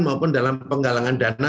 maupun dalam penggalangan dana